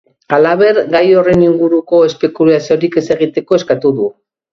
Halaber, gai horren inguruko espekulaziorik ez egiteko eskatu du.